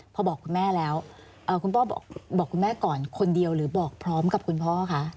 พอบอกคุณแม่แล้วคุณพ่อบอกคุณแม่ก่อนคนเดียวหรือบอกพร้อมกับคุณพ่อคะ